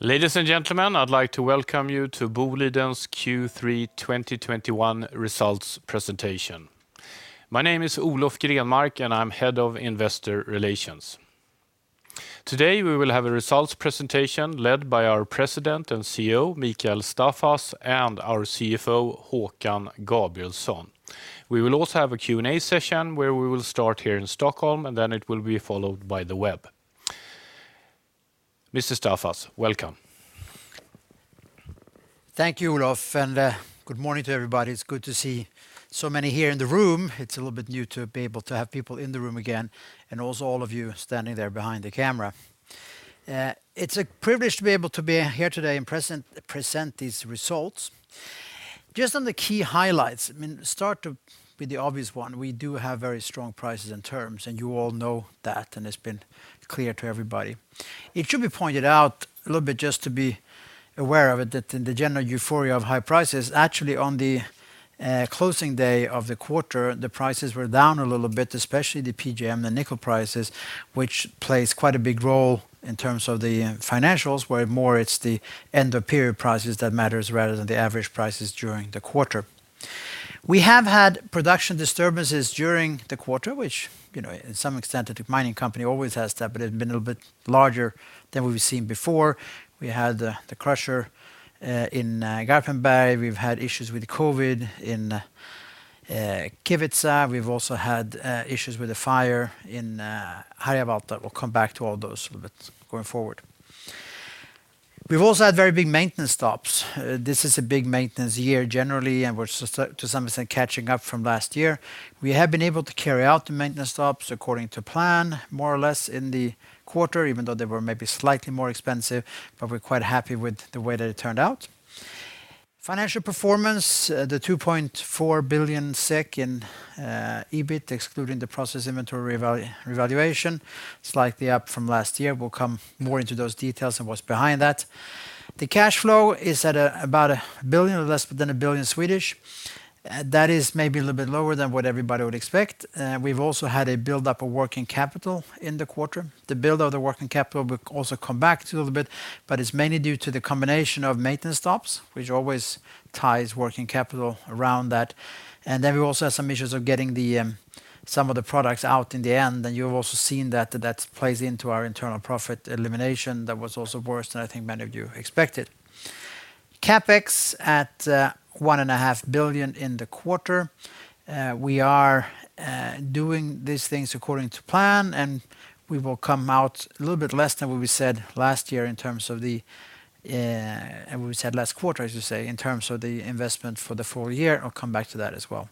Ladies and gentlemen, I'd like to welcome you to Boliden's Q3 2021 results presentation. My name is Olof Grenmark, and I'm head of investor relations. Today, we will have a results presentation led by our President and CEO, Mikael Staffas, and our CFO, Håkan Gabrielsson. We will also have a Q&A session where we will start here in Stockholm, and then it will be followed by the web. Mr. Staffas, welcome. Thank you, Olof. Good morning to everybody. It is good to see so many here in the room. It is a little bit new to be able to have people in the room again, and also all of you standing there behind the camera. It is a privilege to be able to be here today and present these results. Just on the key highlights. Start with the obvious one. We do have very strong prices and terms, and you all know that, and it has been clear to everybody. It should be pointed out a little bit just to be aware of it, that in the general euphoria of high prices, actually, on the closing day of the quarter, the prices were down a little bit, especially the PGM, the nickel prices, which plays quite a big role in terms of the financials, where more it's the end-of-period prices that matters rather than the average prices during the quarter. We have had production disturbances during the quarter, which to some extent, the mining company always has that, but it's been a little bit larger than what we've seen before. We had the crusher in Garpenberg. We've had issues with COVID in Kevitsa. We've also had issues with the fire in Harjavalta. We'll come back to all those a little bit going forward. We've also had very big maintenance stops. This is a big maintenance year generally, and we're to some extent catching up from last year. We have been able to carry out the maintenance stops according to plan, more or less in the quarter, even though they were maybe slightly more expensive, but we're quite happy with the way that it turned out. Financial performance, the 2.4 billion SEK in EBIT excluding the process inventory revaluation, slightly up from last year. We'll come more into those details and what's behind that. The cash flow is at about 1 billion or less, but then 1 billion. That is maybe a little bit lower than what everybody would expect. We've also had a buildup of working capital in the quarter. The build of the working capital, we'll also come back to a little bit, but it's mainly due to the combination of maintenance stops, which always ties working capital around that. Then we also have some issues of getting some of the products out in the end. You've also seen that plays into our internal profit elimination. That was also worse than I think many of you expected. CapEx at 1.5 billion in the quarter. We are doing these things according to plan, and we will come out a little bit less than what we said last year in terms of the-- what we said last quarter, I should say, in terms of the investment for the full year. I'll come back to that as well.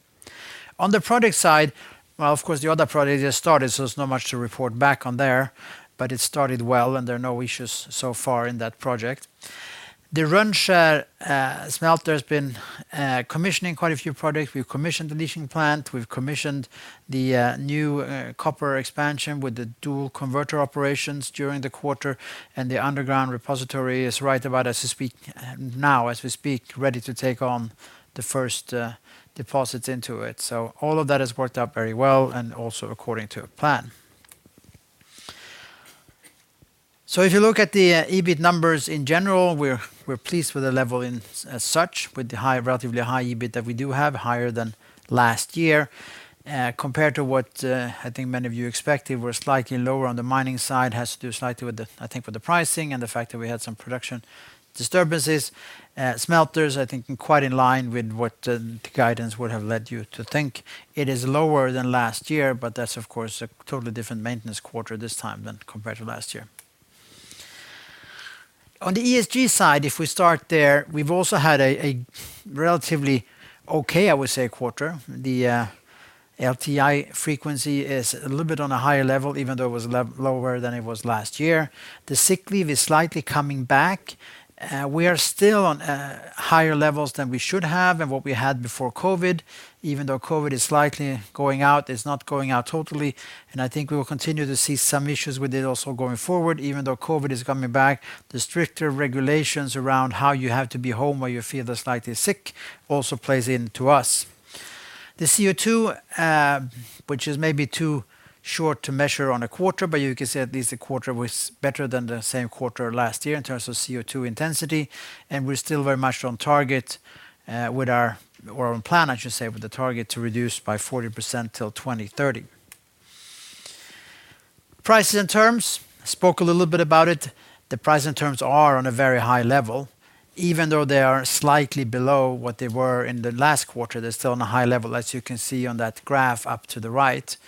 On the project side, of course, the other project just started, so there's not much to report back on there, but it started well, and there are no issues so far in that project. The Rönnskär smelter has been commissioning quite a few projects. We've commissioned the leaching plant. We've commissioned the new copper expansion with the dual converter operations during the quarter, and the underground repository is right about as we speak now, as we speak, ready to take on the first deposits into it. All of that has worked out very well and also according to plan. If you look at the EBIT numbers in general, we're pleased with the level as such, with the relatively high EBIT that we do have, higher than last year. Compared to what I think many of you expected, we're slightly lower on the mining side, has to do slightly with the, I think, with the pricing and the fact that we had some production disturbances. Smelters, I think quite in line with what the guidance would have led you to think. It is lower than last year, but that's of course a totally different maintenance quarter this time than compared to last year. On the ESG side, if we start there, we've also had a relatively okay, I would say, quarter. The LTI frequency is a little bit on a higher level, even though it was lower than it was last year. The sick leave is slightly coming back. We are still on higher levels than we should have and what we had before COVID, even though COVID is slightly going out. It's not going out totally. I think we will continue to see some issues with it also going forward, even though COVID is coming back. The stricter regulations around how you have to be home when you feel slightly sick also plays into us. The CO2, which is maybe too short to measure on a quarter. You can say at least the quarter was better than the same quarter last year in terms of CO2 intensity. We're still very much on target with our or on plan, I should say, with the target to reduce by 40% till 2030. Prices and terms. Spoke a little bit about it. The prices and terms are on a very high level. Even though they are slightly below what they were in the last quarter, they're still on a high level, as you can see on that graph up to the right.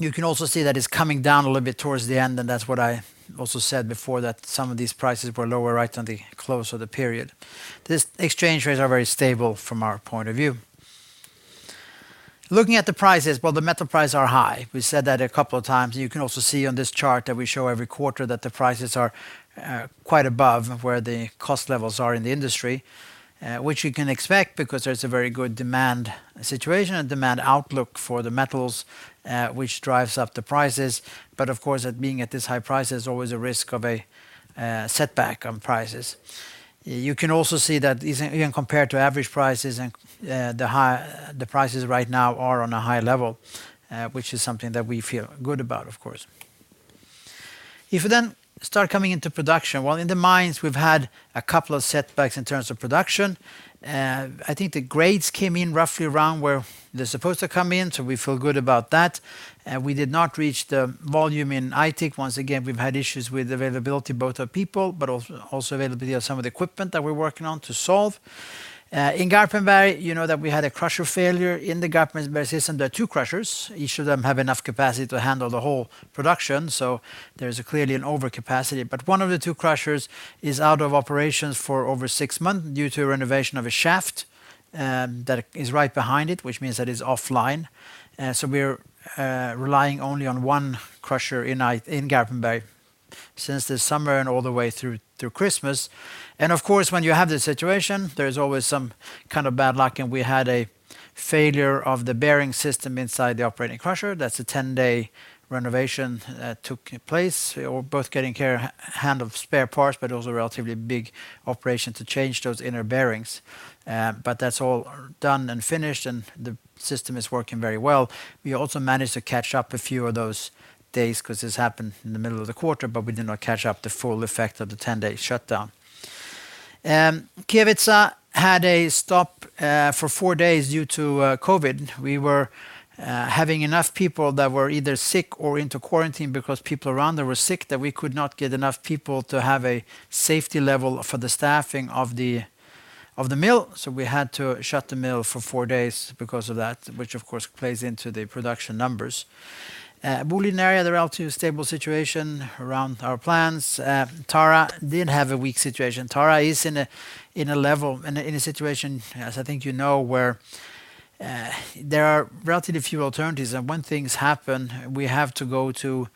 You can also see that it's coming down a little bit towards the end, and that's what I also said before, that some of these prices were lower right on the close of the period. The exchange rates are very stable from our point of view. Looking at the prices, well, the metal prices are high. We said that a couple of times. You can also see on this chart that we show every quarter that the prices are quite above where the cost levels are in the industry, which you can expect because there's a very good demand situation and demand outlook for the metals, which drives up the prices. Of course, being at this high price, there's always a risk of a setback on prices. You can also see that even compared to average prices, the prices right now are on a high level, which is something that we feel good about, of course. We start coming into production. Well, in the mines, we've had a couple of setbacks in terms of production. I think the grades came in roughly around where they're supposed to come in, so we feel good about that. We did not reach the volume in Aitik. Once again, we've had issues with availability, both of people, but also availability of some of the equipment that we're working on to solve. In Garpenberg, you know that we had a crusher failure. In the Garpenberg system, there are two crushers. Each of them have enough capacity to handle the whole production, so there's clearly an overcapacity. One of the two crushers is out of operations for over six months due to renovation of a shaft that is right behind it, which means that it's offline. We're relying only on one crusher in Garpenberg since this summer and all the way through Christmas. Of course, when you have this situation, there's always some kind of bad luck, and we had a failure of the bearing system inside the operating crusher. That's a 10-day renovation that took place. We were both getting spare parts, but also a relatively big operation to change those inner bearings. That's all done and finished, and the system is working very well. We also managed to catch up a few of those days because this happened in the middle of the quarter, but we did not catch up the full effect of the 10-day shutdown. Kevitsa had a stop for four days due to COVID. We were having enough people that were either sick or into quarantine because people around there were sick that we could not get enough people to have a safety level for the staffing of the mill. We had to shut the mill for four days because of that, which of course plays into the production numbers. Boliden area, the relatively stable situation around our plants. Tara did have a weak situation. Tara is in a situation, as I think you know, where there are relatively few alternatives, and when things happen, we have to go to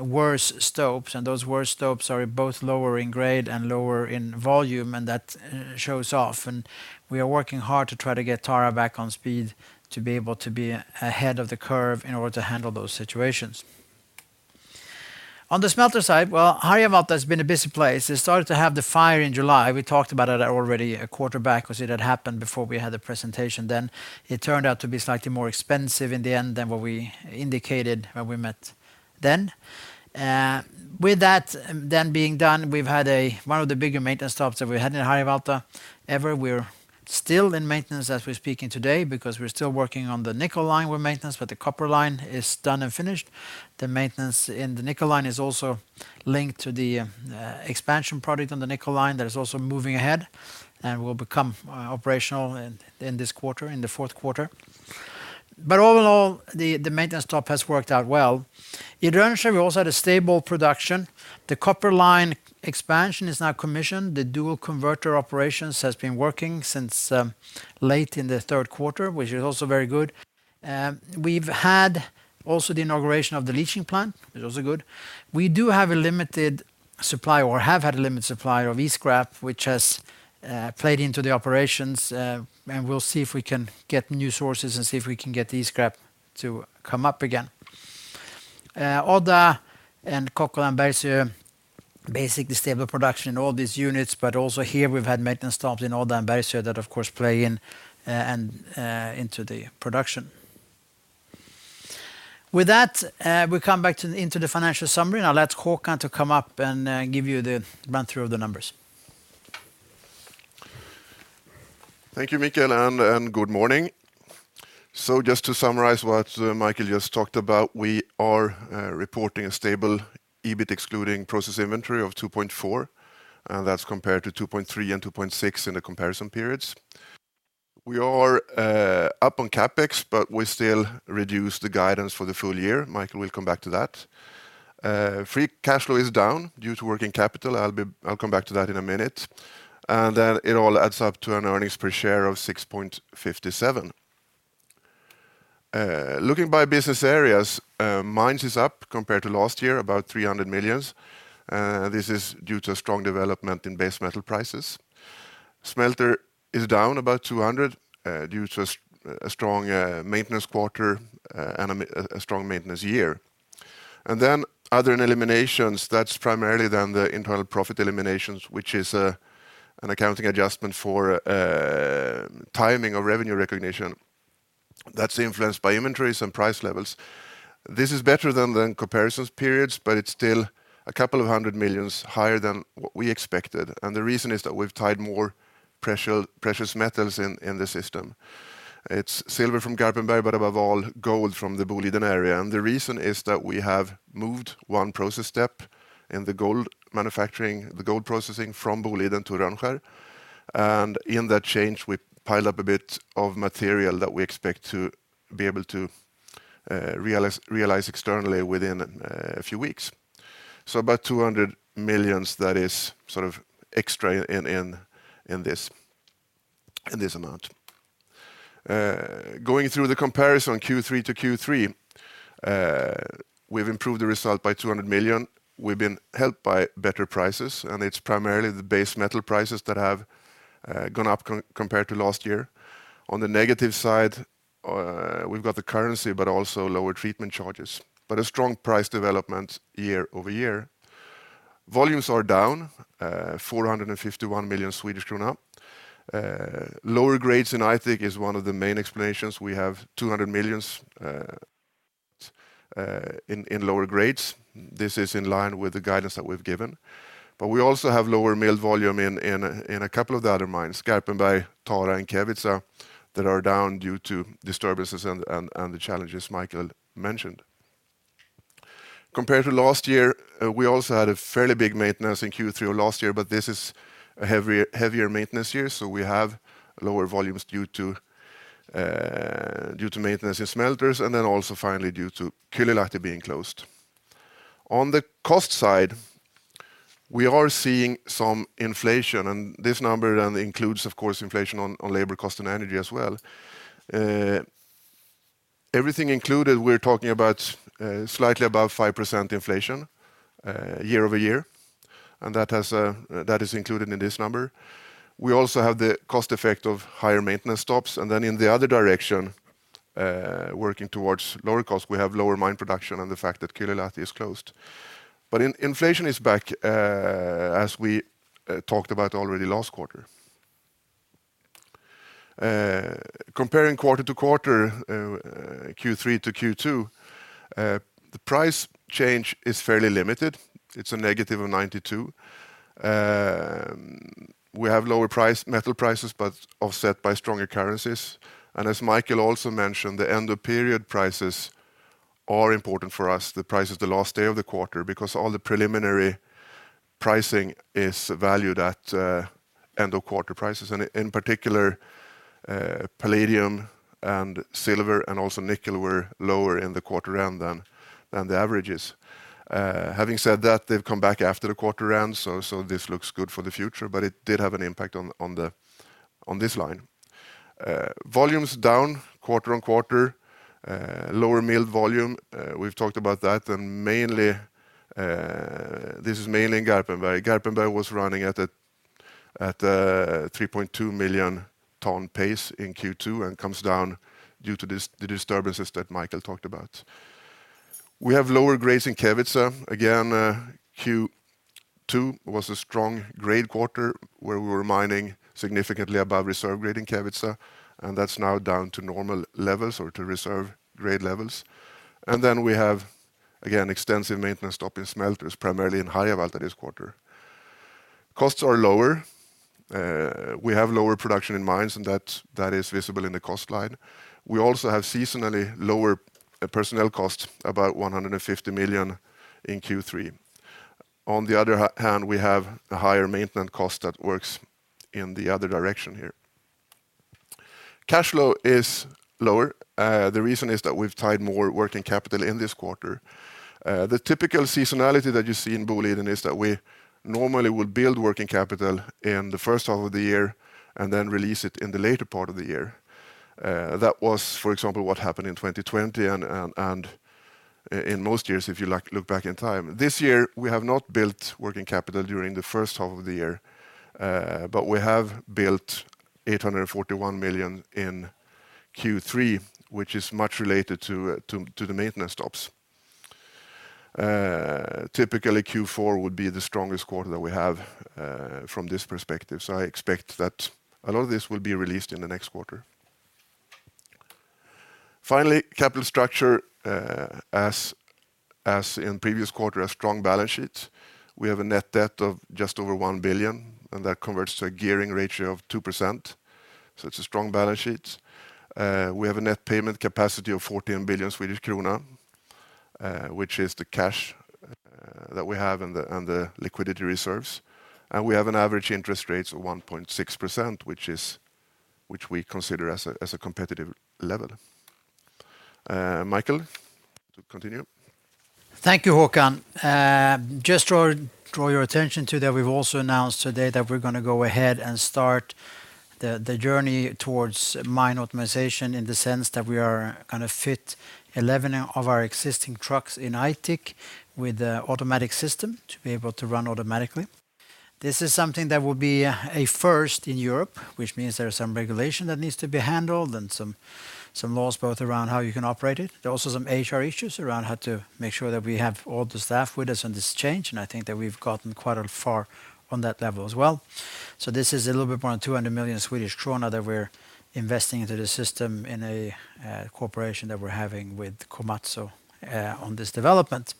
worse stopes, and those worse stopes are both lower in grade and lower in volume, and that shows off, and we are working hard to try to get Tara back on speed to be able to be ahead of the curve in order to handle those situations. On the smelter side, well, Harjavalta has been a busy place. It started to have the fire in July. We talked about it already a quarter back because it had happened before we had the presentation then. It turned out to be slightly more expensive in the end than what we indicated when we met then. With that then being done, we've had one of the bigger maintenance stops that we had in Harjavalta ever. We're still in maintenance as we're speaking today because we're still working on the nickel line with maintenance, but the copper line is done and finished. The maintenance in the nickel line is also linked to the expansion project on the nickel line that is also moving ahead and will become operational in this quarter, in the fourth quarter. All in all, the maintenance stop has worked out well. In Rönnskär, we also had a stable production. The copper line expansion is now commissioned. The dual converter operations has been working since late in the third quarter, which is also very good. We've had also the inauguration of the leaching plant, which is also good. We do have a limited supply or have had a limited supply of e-scrap, which has played into the operations. We'll see if we can get new sources and see if we can get the e-scrap to come up again. Odda and Kokkola and Bergsöe, basically stable production in all these units. Also here we've had maintenance stops in Odda and Bergsöe that of course play into the production. With that, we come back into the financial summary. Now I'll let Håkan to come up and give you the run-through of the numbers. Thank you, Mikael. Good morning. Just to summarize what Mikael just talked about, we are reporting a stable EBIT excluding process inventory of 2.4, and that's compared to 2.3 and 2.6 in the comparison periods. We are up on CapEx, but we still reduce the guidance for the full year. Mikael will come back to that. Free cash flow is down due to working capital. I'll come back to that in a minute. It all adds up to an earnings per share of 6.57. Looking by business areas, Mines is up compared to last year, about 300 million. This is due to strong development in base metal prices. Smelter is down about 200 due to a strong maintenance quarter and a strong maintenance year. Other eliminations, that's primarily then the internal profit eliminations, which is an accounting adjustment for timing of revenue recognition. That's influenced by inventories and price levels. This is better than the comparison periods, but it's still a couple of hundred million SEK higher than what we expected, and the reason is that we've tied more precious metals in the system. It's silver from Garpenberg, but above all, gold from the Boliden area. The reason is that we have moved one process step in the gold manufacturing, the gold processing from Boliden to Rönnskär. In that change, we pile up a bit of material that we expect to be able to realize externally within a few weeks. About 200 million SEK that is sort of extra in this amount. Going through the comparison Q3 to Q3, we've improved the result by 200 million SEK. We've been helped by better prices, and it's primarily the base metal prices that have gone up compared to last year. On the negative side, we've got the currency, but also lower treatment charges. A strong price development year-over-year. Volumes are down 451 million Swedish krona. Lower grades in Aitik is one of the main explanations. We have 200 million in lower grades. This is in line with the guidance that we've given. We also have lower mill volume in a couple of the other mines, Garpenberg, Tara, and Kevitsa, that are down due to disturbances and the challenges Mikael mentioned. Compared to last year, we also had a fairly big maintenance in Q3 of last year, but this is a heavier maintenance year, so we have lower volumes due to maintenance in smelters, and then also finally due to Kylylahti being closed. On the cost side, we are seeing some inflation, and this number then includes, of course, inflation on labor cost and energy as well. Everything included, we're talking about slightly above 5% inflation year-over-year, and that is included in this number. We also have the cost effect of higher maintenance stops. Then in the other direction, working towards lower cost, we have lower mine production and the fact that Kevitsa is closed. Inflation is back as we talked about already last quarter. Comparing quarter-over-quarter, Q3 to Q2, the price change is fairly limited. It's a negative of 92. We have lower metal prices, offset by stronger currencies. As Mikael also mentioned, the end-of-period prices are important for us, the price of the last day of the quarter, because all the preliminary pricing is valued at end-of-quarter prices. In particular, palladium and silver and also nickel were lower in the quarter-end than the averages. Having said that, they've come back after the quarter end, so this looks good for the future, but it did have an impact on this line. Volumes down quarter-on-quarter. Lower mill volume, we've talked about that. This is mainly in Garpenberg. Garpenberg was running at a 3.2 million tons pace in Q2 and comes down due to the disturbances that Mikael talked about. We have lower grades in Kevitsa. Again, Q2 was a strong grade quarter where we were mining significantly above reserve grade in Kevitsa, and that's now down to normal levels or to reserve grade levels. We have, again, extensive maintenance stop in smelters, primarily in Harjavalta this quarter. Costs are lower. We have lower production in mines, and that is visible in the cost line. We also have seasonally lower personnel costs, about 150 million in Q3. On the other hand, we have a higher maintenance cost that works in the other direction here. Cash flow is lower. The reason is that we've tied more working capital in this quarter. The typical seasonality that you see in Boliden is that we normally would build working capital in the first half of the year and then release it in the later part of the year. That was, for example, what happened in 2020 and in most years if you look back in time. This year, we have not built working capital during the first half of the year, but we have built 841 million in Q3, which is much related to the maintenance stops. Typically, Q4 would be the strongest quarter that we have from this perspective, so I expect that a lot of this will be released in the next quarter. Finally, capital structure. As in previous quarter, a strong balance sheet. We have a net debt of just over 1 billion, and that converts to a gearing ratio of 2%, so it's a strong balance sheet. We have a net payment capacity of 14 billion Swedish krona, which is the cash that we have and the liquidity reserves. We have an average interest rate of 1.6%, which we consider as a competitive level. Mikael, continue. Thank you, Håkan. Just to draw your attention to that we've also announced today that we're going to go ahead and start the journey towards mine optimization in the sense that we are going to fit 11 of our existing trucks in Aitik with an automatic system to be able to run automatically. This is something that will be a first in Europe, which means there is some regulation that needs to be handled and some laws both around how you can operate it. There are also some HR issues around how to make sure that we have all the staff with us on this change, and I think that we've gotten quite far on that level as well. This is a little bit more than 200 million Swedish krona that we're investing into the system in a cooperation that we're having with Komatsu on this development.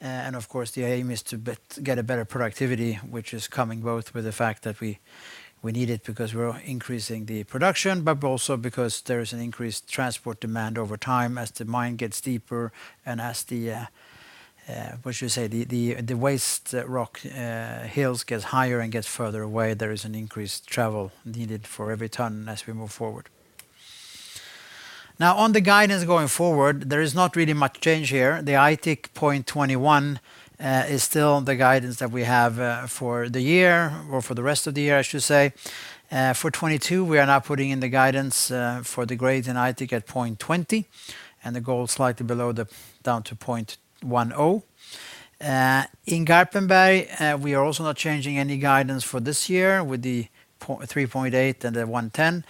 Of course, the aim is to get a better productivity, which is coming both with the fact that we're increasing the production, but also because there is an increased transport demand over time as the mine gets deeper and as the waste rock hills get higher and get further away, there is an increased travel needed for every ton as we move forward. On the guidance going forward, there is not really much change here. The Aitik 0.21 is still the guidance that we have for the year or for the rest of the year, I should say. For 2022, we are now putting in the guidance for the grades in Aitik at 0.20, and the gold slightly below down to 0.10. In Garpenberg, we are also not changing any guidance for this year with the 3.8 and the 110.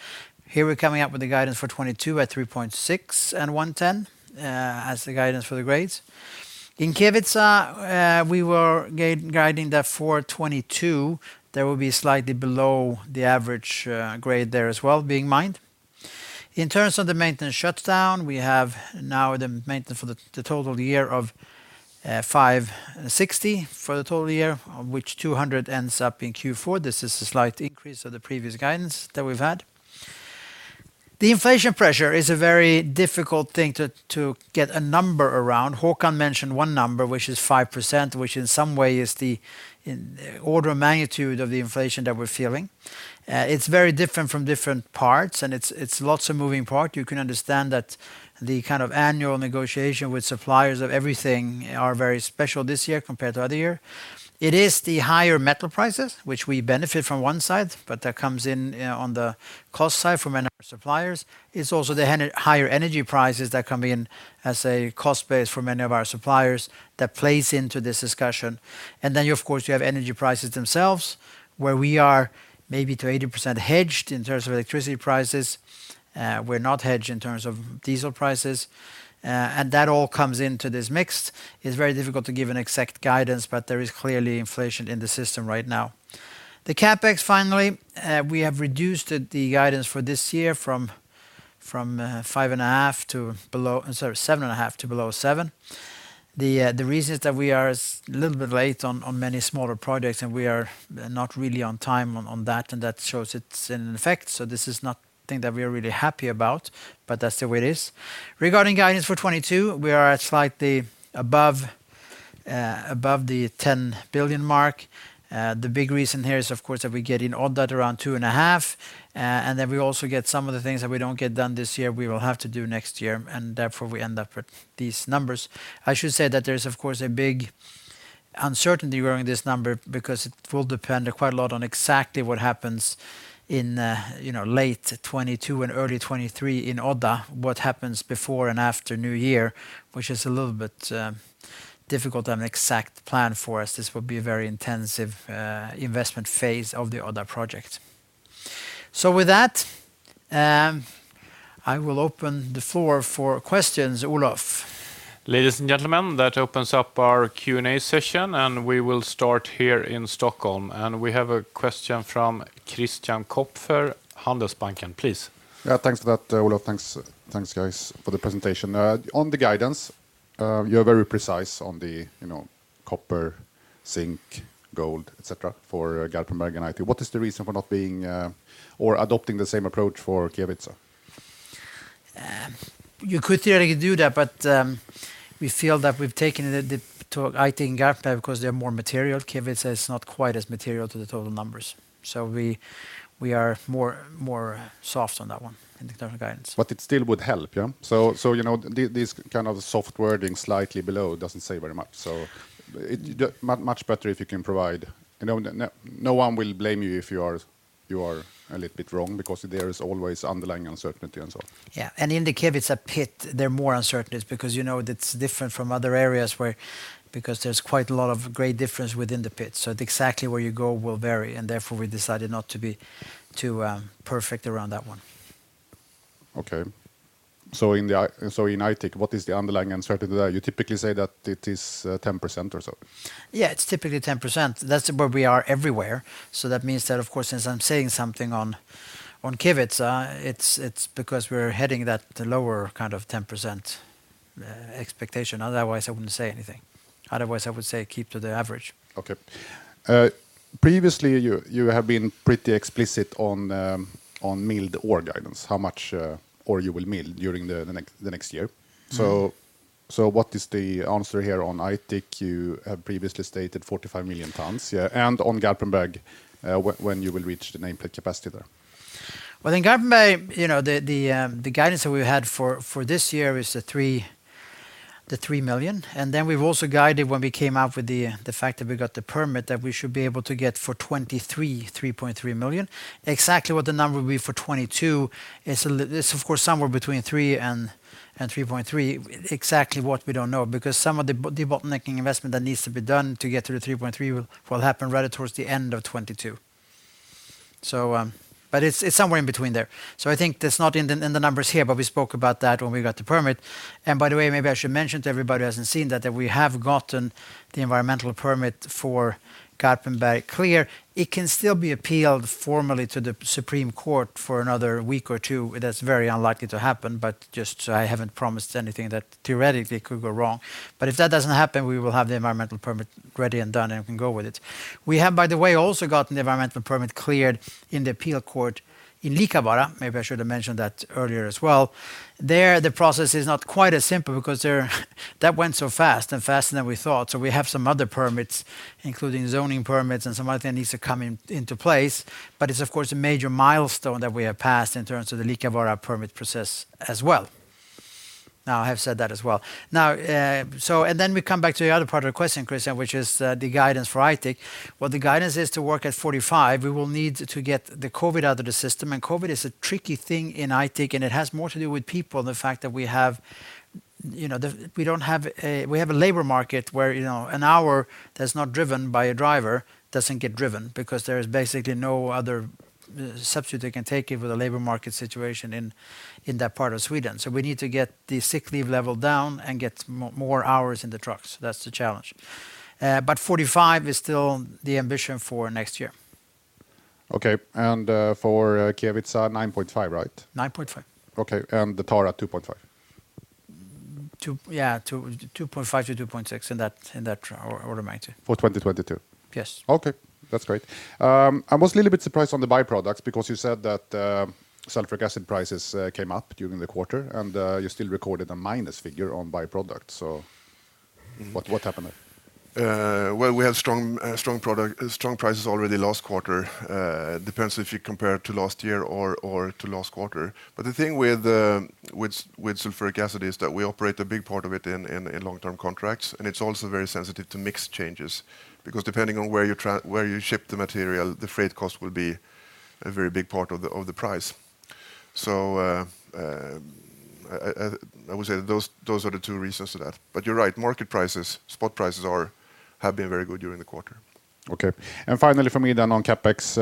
Here, we're coming up with the guidance for 2022 at 3.6 and 110 as the guidance for the grades. In Kevitsa, we were guiding that for 2022, that will be slightly below the average grade there as well being mined. In terms of the maintenance shutdown, we have now the maintenance for the total year of 560 for the total year, of which 200 ends up in Q4. This is a slight increase of the previous guidance that we've had. The inflation pressure is a very difficult thing to get a number around. Håkan mentioned one number, which is 5%, which in some way is the order of magnitude of the inflation that we're feeling. It's very different from different parts, and it's lots of moving parts. You can understand that the kind of annual negotiation with suppliers of everything are very special this year compared to other year. It is the higher metal prices, which we benefit from one side, but that comes in on the cost side from many of our suppliers. It's also the higher energy prices that come in as a cost base for many of our suppliers that plays into this discussion. Of course, you have energy prices themselves, where we are maybe to 80% hedged in terms of electricity prices. We're not hedged in terms of diesel prices. That all comes into this mix. It's very difficult to give an exact guidance, but there is clearly inflation in the system right now. The CapEx, finally, we have reduced the guidance for this year from 7.5 to below 7. The reason is that we are a little bit late on many smaller projects, and we are not really on time on that, and that shows its effect. This is not thing that we are really happy about, but that's the way it is. Regarding guidance for 2022, we are at slightly above the 10 billion mark. The big reason here is, of course, that we get in Odda at around 2.5, and then we also get some of the things that we don't get done this year, we will have to do next year. Therefore, we end up with these numbers. I should say that there's, of course, a big uncertainty around this number because it will depend quite a lot on exactly what happens in late 2022 and early 2023 in Odda, what happens before and after New Year, which is a little bit difficult to have an exact plan for, as this will be a very intensive investment phase of the Odda project. With that, I will open the floor for questions. Olof. Ladies and gentlemen, that opens up our Q&A session. We will start here in Stockholm. We have a question from Christian Kopfer, Handelsbanken. Please. Yeah, thanks for that, Olof. Thanks, guys, for the presentation. On the guidance, you're very precise on the copper, zinc, gold, et cetera, for Garpenberg and Aitik. What is the reason for not being or adopting the same approach for Kevitsa? You could theoretically do that, but we feel that we've taken it to Aitik and Garpenberg because they're more material. Kevitsa is not quite as material to the total numbers, so we are more soft on that one in the total guidance. It still would help, yeah? This kind of soft wording, slightly below, doesn't say very much. Much better if you can provide. No one will blame you if you are a little bit wrong because there is always underlying uncertainty and so on. Yeah. In the Kevitsa pit, there are more uncertainties because it's different from other areas because there's quite a lot of grade difference within the pit. Exactly where you go will vary, and therefore we decided not to be too perfect around that one. Okay. In Aitik, what is the underlying uncertainty there? You typically say that it is 10% or so. Yeah, it's typically 10%. That's where we are everywhere. That means that, of course, since I'm saying something on Kevitsa, it's because we're heading that lower kind of 10% expectation. Otherwise, I wouldn't say anything. Otherwise, I would say keep to the average. Okay. Previously, you have been pretty explicit on milled ore guidance, how much ore you will mill during the next year. What is the answer here on Aitik? You have previously stated 45 million tons. Yeah. On Garpenberg, when you will reach the nameplate capacity there? In Garpenberg, the guidance that we had for this year is the 3 million. We've also guided when we came out with the fact that we got the permit, that we should be able to get, for 2023, 3.3 million. Exactly what the number will be for 2022 is, of course, somewhere between 3 and 3.3. Exactly what, we don't know because some of the bottlenecking investment that needs to be done to get to the 3.3 will happen right towards the end of 2022. It's somewhere in between there. I think that's not in the numbers here, but we spoke about that when we got the permit. By the way, maybe I should mention to everybody who hasn't seen that we have gotten the environmental permit for Garpenberg clear. It can still be appealed formally to the Supreme Court for another week or two. That's very unlikely to happen, but just so I haven't promised anything that theoretically could go wrong. If that doesn't happen, we will have the environmental permit ready and done and can go with it. We have, by the way, also gotten the environmental permit cleared in the appeal court in Liikavaara. Maybe I should have mentioned that earlier as well. There, the process is not quite as simple because that went so fast and faster than we thought. We have some other permits, including zoning permits and some other thing needs to come into place. It's of course a major milestone that we have passed in terms of the Liikavaara permit process as well. Now I have said that as well. We come back to the other part of the question, Christian, which is the guidance for Aitik. Well, the guidance is to work at 45. We will need to get the COVID out of the system, and COVID is a tricky thing in Aitik, and it has more to do with people and the fact that We have a labor market where an hour that's not driven by a driver doesn't get driven because there is basically no other substitute they can take with the labor market situation in that part of Sweden. We need to get the sick leave level down and get more hours in the trucks. That's the challenge. 45 is still the ambition for next year. Okay, for Kevitsa it's 9.5, right? 9.5. Okay. The Tara 2.5? Yeah. 2.5 to 2.6 in that order of magnitude. For 2022? Yes. Okay. That's great. I was a little bit surprised on the byproducts because you said that sulfuric acid prices came up during the quarter, and you still recorded a minus figure on byproducts. What happened there? Well, we had strong prices already last quarter. Depends if you compare it to last year or to last quarter. The thing with sulfuric acid is that we operate a big part of it in long-term contracts, and it's also very sensitive to mix changes, because depending on where you ship the material, the freight cost will be a very big part of the price. I would say those are the two reasons to that. You're right, market prices, spot prices have been very good during the quarter. Okay. Finally from me on CapEx,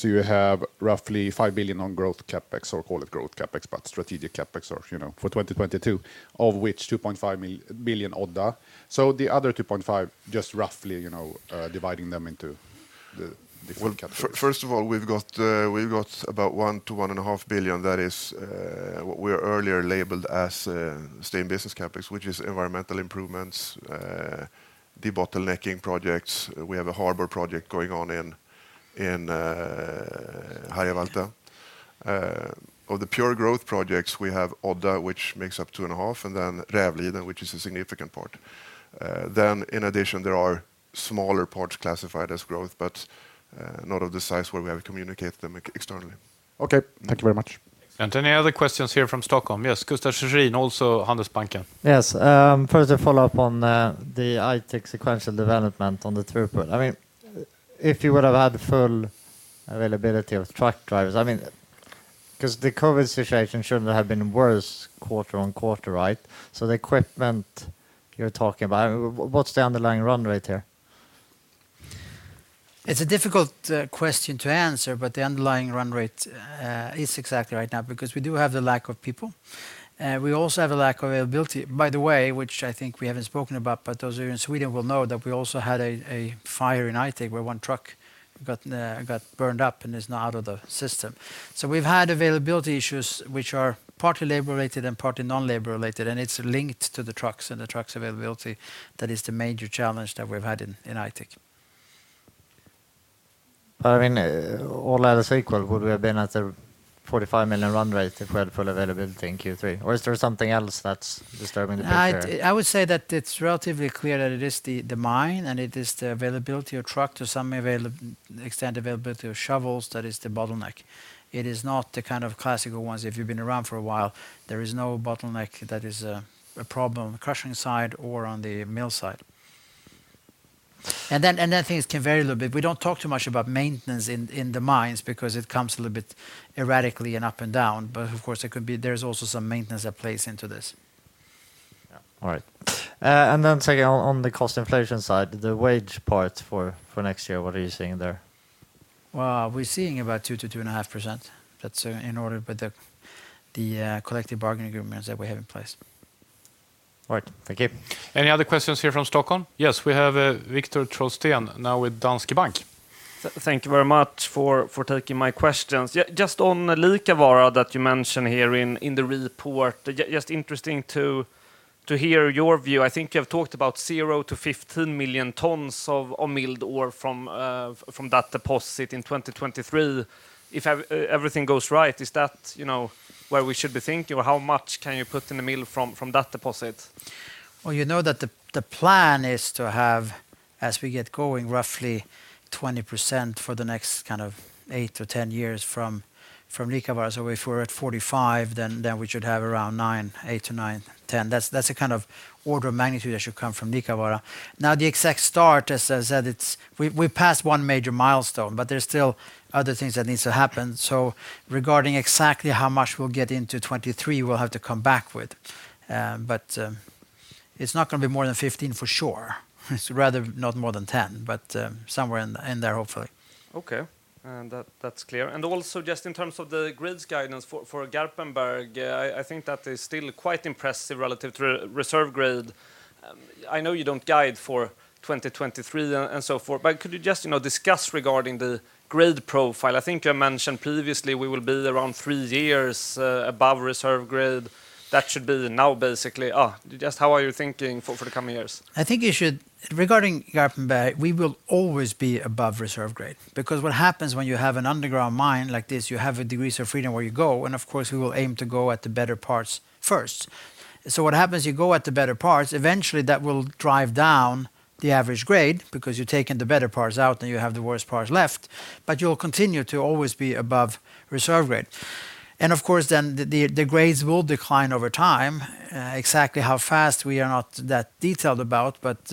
you have roughly 5 billion on growth CapEx, or call it growth CapEx, but strategic CapEx for 2022, of which 2.5 million Odda. The other 2.5 million, just roughly, dividing them into the four categories. First of all, we've got about 1 billion- 1.5 billion that is what we earlier labeled as stay in business CapEx, which is environmental improvements, debottlenecking projects. We have a harbor project going on in Harjavalta. Of the pure growth projects, we have Odda, which makes up 2.5 billion, and then Ravliden, which is a significant part. In addition, there are smaller parts classified as growth, but not of the size where we have communicated them externally. Okay. Thank you very much. Any other questions here from Stockholm? Yes, Gustaf Schwerin, also Handelsbanken. Yes. First a follow-up on the Aitik sequential development on the throughput. If you would have had full availability of truck drivers, because the COVID situation shouldn't have been worse quarter-on-quarter, right? The equipment you're talking about, what's the underlying run rate there? It's a difficult question to answer, but the underlying run rate is exactly right now because we do have the lack of people. We also have a lack of availability, by the way, which I think we haven't spoken about, but those of you in Sweden will know that we also had a fire in Aitik where one truck got burned up and is now out of the system. We've had availability issues, which are partly labor related and partly non-labor related, and it's linked to the trucks and the trucks availability. That is the major challenge that we've had in Aitik. All else equal, would we have been at a 45 million run rate if we had full availability in Q3? Or is there something else that's disturbing the picture? I would say that it's relatively clear that it is the mine and it is the availability of truck to some extent, availability of shovels that is the bottleneck. It is not the kind of classical ones if you've been around for a while. There is no bottleneck that is one problem on the crushing side or on the mill side. Things can vary a little bit. We don't talk too much about maintenance in the mines because it comes a little bit erratically and up and down. Of course, there's also some maintenance that plays into this. Yeah. All right. Then second, on the cost inflation side, the wage part for next year, what are you seeing there? Well, we're seeing about 2%-2.5%. That's in order with the collective bargaining agreements that we have in place. All right. Thank you. Any other questions here from Stockholm? Yes, we have Viktor Trollsten now with Danske Bank. Thank you very much for taking my questions. Just on Liikavaara that you mentioned here in the report. Just interesting to hear your view. I think you have talked about 0 to 15 million tons of milled ore from that deposit in 2023. If everything goes right, is that where we should be thinking? How much can you put in the mill from that deposit? Well, you know that the plan is to have, as we get going, roughly 20% for the next eight to 10 years from Liikavaara. If we're at 45, then we should have around 9, 8 to 9, 10. That's the kind of order of magnitude that should come from Liikavaara. The exact start, as I said, we've passed one major milestone, but there's still other things that needs to happen. Regarding exactly how much we'll get into 2023, we'll have to come back with. It's not going to be more than 15 for sure. It's rather not more than 10, but somewhere in there, hopefully. Okay. That's clear. Also, just in terms of the grades guidance for Garpenberg, I think that is still quite impressive relative to reserve grade. I know you don't guide for 2023 and so forth, but could you just discuss regarding the grade profile? I think you mentioned previously we will be around three years above reserve grade. That should be now, basically. Just how are you thinking for the coming years? I think regarding Garpenberg, we will always be above reserve grade, because what happens when you have an underground mine like this, you have degrees of freedom where you go, and of course, we will aim to go at the better parts first. So what happens, you go at the better parts, eventually that will drive down the average grade because you're taking the better parts out and you have the worst parts left, but you'll continue to always be above reserve grade. Of course then, the grades will decline over time. Exactly how fast we are not that detailed about, but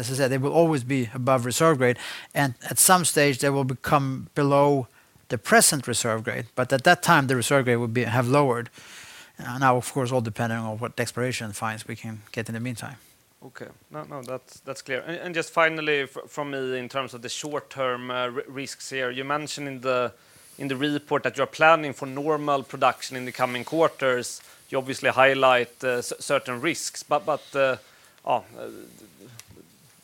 as I said, they will always be above reserve grade, and at some stage they will become below the present reserve grade, but at that time, the reserve grade would have lowered. Of course, all depending on what exploration finds we can get in the meantime. Okay. No, that's clear. Just finally from me in terms of the short-term risks here, you mentioned in the report that you're planning for normal production in the coming quarters. You obviously highlight certain risks, but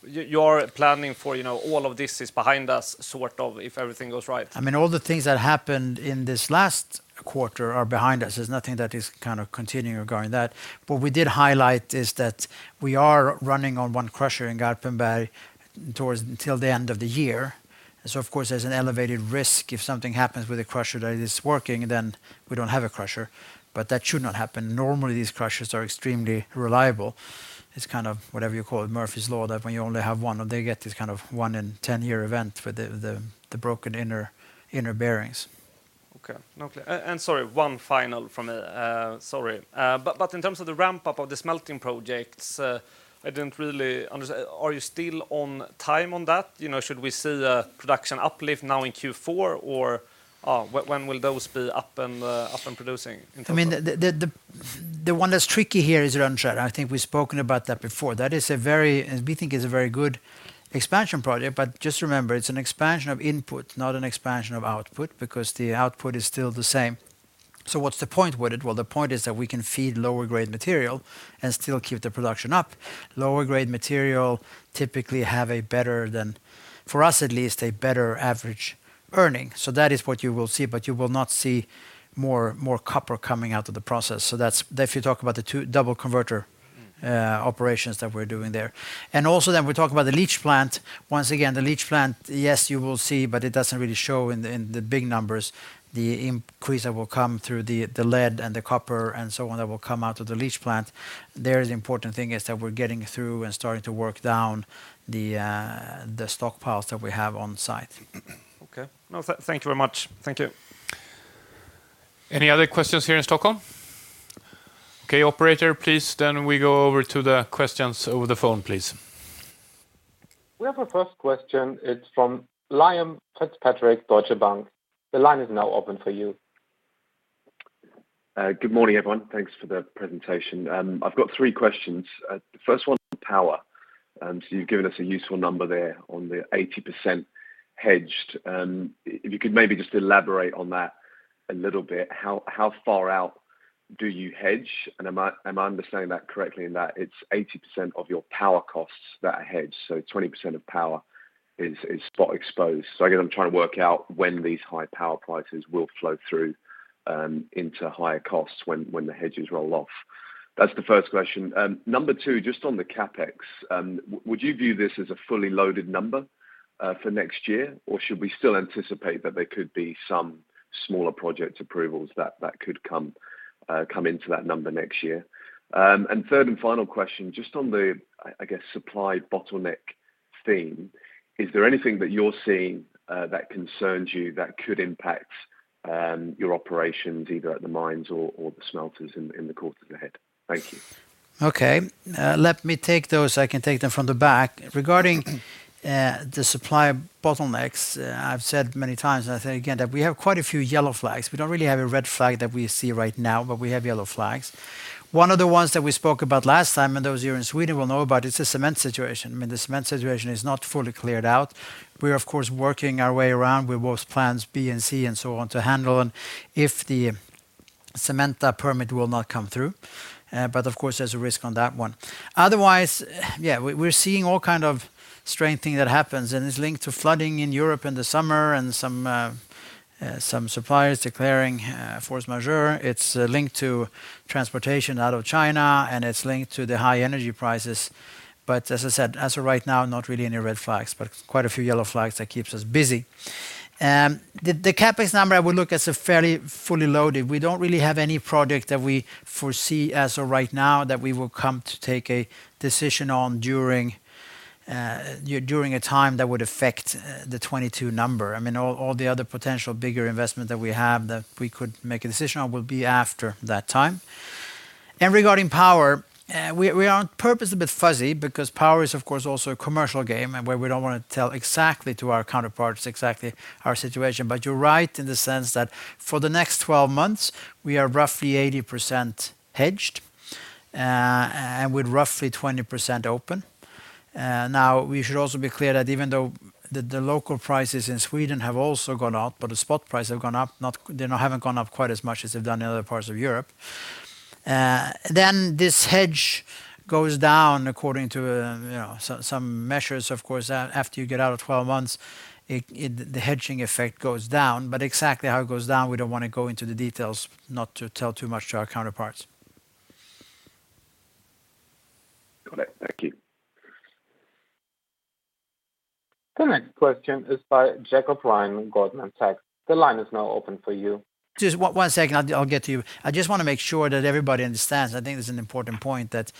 you're planning for all of this is behind us sort of, if everything goes right. All the things that happened in this last quarter are behind us. There's nothing that is continuing regarding that. What we did highlight is that we are running on one crusher in Garpenberg till the end of the year. Of course, there's an elevated risk if something happens with the crusher that is working, then we don't have a crusher. That should not happen. Normally, these crushers are extremely reliable. It's kind of whatever you call it, Murphy's Law, that when you only have one or they get this kind of one in 10-year event with the broken inner bearings. Okay. No. Sorry, one final from me. Sorry. In terms of the ramp-up of the smelting projects, I didn't really understand. Are you still on time on that? Should we see a production uplift now in Q4? When will those be up and producing? The one that's tricky here is Rönnskär. I think we've spoken about that before. That is, we think, is a very good expansion project, but just remember, it's an expansion of input, not an expansion of output, because the output is still the same. What's the point with it? Well, the point is that we can feed lower grade material and still keep the production up. Lower grade material typically have a better than, for us at least, a better average earning. That is what you will see, but you will not see more copper coming out of the process. That's if you talk about the two double converter. operations that we're doing there. Also then we talk about the leach plant. Once again, the leach plant, yes, you will see, but it doesn't really show in the big numbers, the increase that will come through the lead and the copper and so on that will come out of the leach plant. There the important thing is that we're getting through and starting to work down the stockpiles that we have on site. Okay. No, thank you very much. Thank you. Any other questions here in Stockholm? Okay, operator, please, then we go over to the questions over the phone, please. We have a first question. It's from Liam Fitzpatrick, Deutsche Bank. The line is now open for you. Good morning, everyone. Thanks for the presentation. I've got three questions. The first one, power. You've given us a useful number there on the 80% hedged. If you could maybe just elaborate on that a little bit, how far out do you hedge? Am I understanding that correctly in that it's 80% of your power costs that are hedged, so 20% of power is spot exposed. Again, I'm trying to work out when these high power prices will flow through into higher costs when the hedges roll off. That's the first question. Number two, just on the CapEx, would you view this as a fully loaded number for next year? Should we still anticipate that there could be some smaller project approvals that could come into that number next year? Third and final question, just on the, I guess, supply bottleneck theme, is there anything that you're seeing that concerns you that could impact your operations, either at the mines or the smelters in the course of the year? Thank you. Okay. Let me take those. I can take them from the back. Regarding the supply bottlenecks, I've said many times, and I'll say again, that we have quite a few yellow flags. We don't really have a red flag that we see right now, but we have yellow flags. One of the ones that we spoke about last time, and those of you who are in Sweden will know about it, is the cement situation. The cement situation is not fully cleared out. We're of course working our way around with both plans B and C and so on to handle them if the Cementa permit will not come through. Of course, there's a risk on that one. Otherwise, yeah, we're seeing all kind of strange thing that happens, and it's linked to flooding in Europe in the summer and some suppliers declaring force majeure. It's linked to transportation out of China. It's linked to the high energy prices. As I said, as of right now, not really any red flags, but quite a few yellow flags that keeps us busy. The CapEx number, I would look as a fairly fully loaded. We don't really have any project that we foresee as of right now that we will come to take a decision on during a time that would affect the 2022 number. All the other potential bigger investment that we have that we could make a decision on will be after that time. Regarding power, we are on purpose a bit fuzzy because power is of course also a commercial game and where we don't want to tell exactly to our counterparts exactly our situation. You're right in the sense that for the next 12 months, we are roughly 80% hedged, and with roughly 20% open. We should also be clear that even though the local prices in Sweden have also gone up, but the spot price have gone up, they haven't gone up quite as much as they've done in other parts of Europe. This hedge goes down according to some measures, of course, after you get out of 12 months, the hedging effect goes down. Exactly how it goes down, we don't want to go into the details, not to tell too much to our counterparts. Got it. Thank you. The next question is by Jack O'Brien, Goldman Sachs. The line is now open for you. Just one second. I'll get to you. I just want to make sure that everybody understands, I think this is an important point, that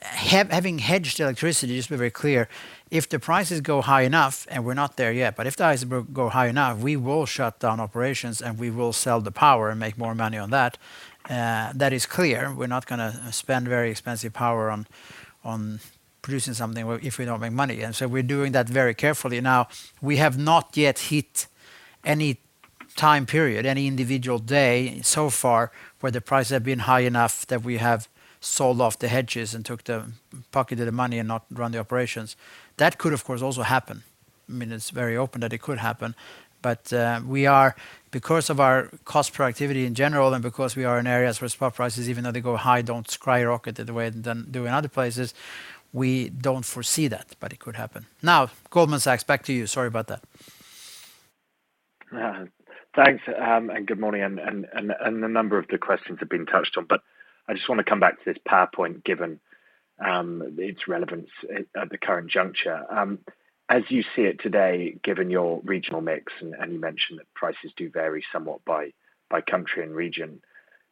having hedged electricity, just to be very clear, if the prices go high enough, and we're not there yet, but if the prices go high enough, we will shut down operations and we will sell the power and make more money on that. That is clear. We're not going to spend very expensive power on producing something if we don't make money. We're doing that very carefully. Now, we have not yet hit any time period, any individual day so far where the price has been high enough that we have sold off the hedges and pocketed the money and not run the operations. That could, of course, also happen. It's very open that it could happen. We are, because of our cost productivity in general and because we are in areas where spot prices, even though they go high, don't skyrocket the way than they do in other places, we don't foresee that, but it could happen. Now, Goldman Sachs, back to you. Sorry about that. Thanks, good morning. A number of the questions have been touched on, but I just want to come back to this PowerPoint, given its relevance at the current juncture. As you see it today, given your regional mix, and you mentioned that prices do vary somewhat by country and region,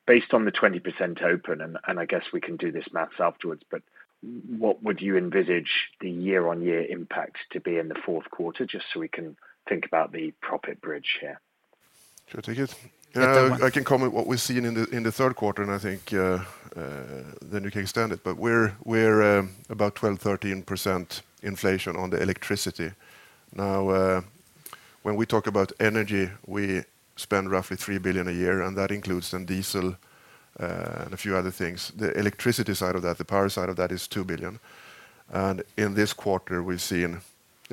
based on the 20% open, and I guess we can do this maths afterwards, but what would you envisage the year-on-year impact to be in the fourth quarter, just so we can think about the profit bridge here? Should I take it? Yeah. I can comment what we’ve seen in the third quarter, and I think then you can extend it. We’re about 12%, 13% inflation on the electricity. Now, when we talk about energy, we spend roughly 3 billion a year, and that includes some diesel and a few other things. The electricity side of that, the power side of that is 2 billion. In this quarter, we’re seeing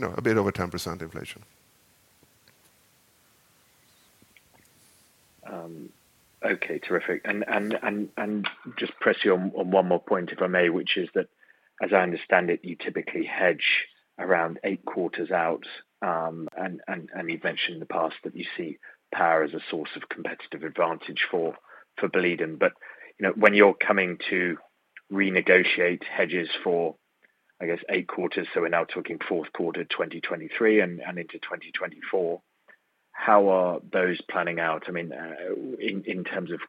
a bit over 10% inflation. Okay. Terrific. Just press you on one more point, if I may, which is that, as I understand it, you typically hedge around eight quarters out, and you've mentioned in the past that you see power as a source of competitive advantage for Boliden. When you're coming to renegotiate hedges for, I guess, eight quarters, so we're now talking Q4 2023 and into 2024, how are those planning out? In terms of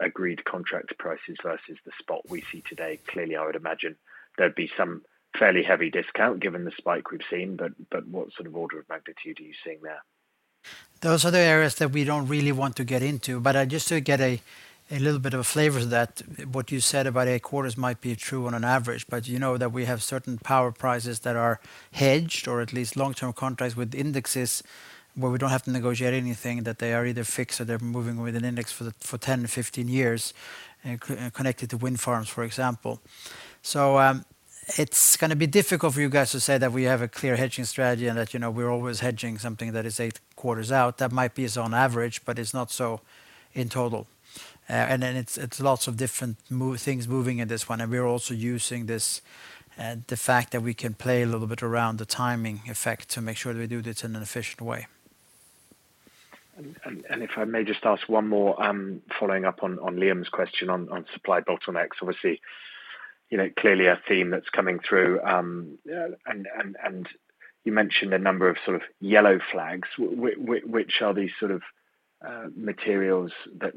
agreed contracts prices versus the spot we see today, clearly, I would imagine there'd be some fairly heavy discount given the spike we've seen, but what sort of order of magnitude are you seeing there? Those are the areas that we don't really want to get into, but just to get a little bit of a flavor that what you said about eight quarters might be true on an average. You know that we have certain power prices that are hedged, or at least long-term contracts with indexes where we don't have to negotiate anything, that they are either fixed or they're moving with an index for 10 to 15 years connected to wind farms, for example. It's going to be difficult for you guys to say that we have a clear hedging strategy and that we're always hedging something that is eight quarters out. That might be so on average, but it's not so in total. It's lots of different things moving in this one, and we are also using the fact that we can play a little bit around the timing effect to make sure that we do this in an efficient way. If I may just ask one more, following up on Liam's question on supply bottlenecks, obviously, clearly a theme that's coming through. You mentioned a number of sort of yellow flags. Which are these sort of materials that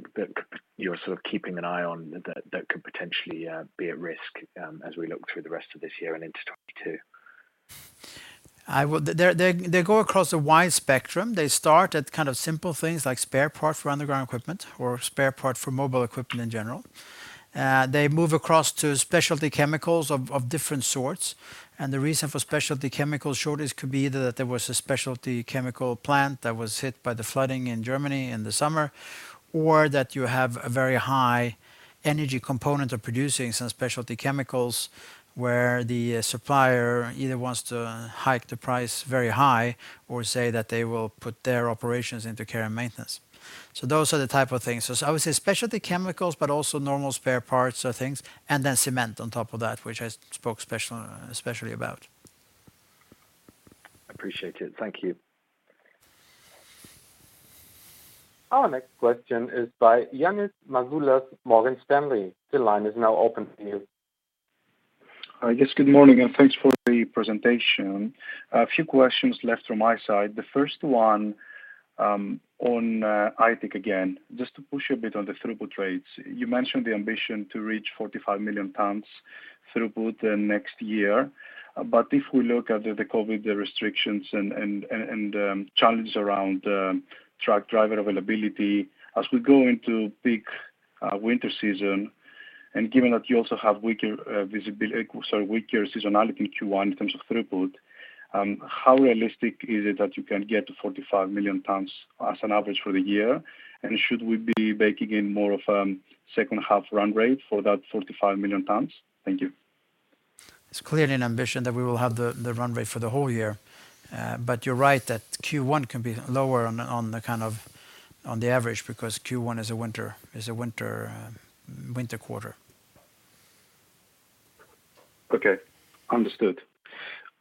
you're keeping an eye on that could potentially be at risk as we look through the rest of this year and into 2022? They go across a wide spectrum. They start at kind of simple things like spare parts for underground equipment or a spare part for mobile equipment in general. They move across to specialty chemicals of different sorts. The reason for specialty chemical shortage could be either that there was a specialty chemical plant that was hit by the flooding in Germany in the summer, or that you have a very high energy component of producing some specialty chemicals where the supplier either wants to hike the price very high or say that they will put their operations into care and maintenance. Those are the type of things. I would say specialty chemicals, but also normal spare parts or things, and then cement on top of that, which I spoke especially about. Appreciate it. Thank you. Our next question is by Ioannis Masvoulas, Morgan Stanley. The line is now open to you. Yes, good morning, and thanks for the presentation. A few questions left from my side. The first one on Aitik again, just to push a bit on the throughput rates. You mentioned the ambition to reach 45 million tons throughput next year. If we look at the COVID restrictions and challenges around truck driver availability as we go into peak winter season, and given that you also have weaker seasonality in Q1 in terms of throughput, how realistic is it that you can get to 45 million tons as an average for the year? Should we be baking in more of second half run rate for that 45 million tons? Thank you. It's clearly an ambition that we will have the run rate for the whole year. You're right that Q1 can be lower on the average because Q1 is a winter quarter. Okay. Understood.